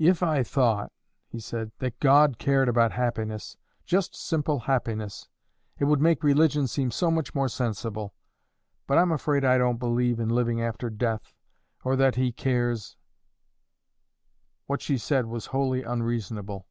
"If I thought," he said, "that God cared about happiness just simple happiness it would make religion seem so much more sensible; but I'm afraid I don't believe in living after death, or that He cares " What she said was wholly unreasonable.